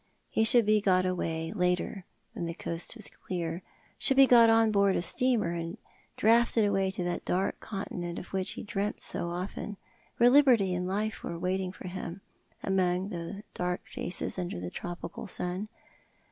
He should bo got away, later, when the coast was clear — should be got on board a steamer and drafted away to that dark continent of which he dreamt so often, where liberty and life were waiting for him, among the dark faces, under the tropical sun.